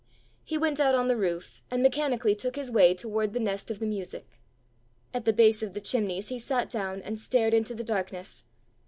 He went out on the roof, and mechanically took his way toward the nest of the music. At the base of the chimneys he sat down, and stared into the darkness.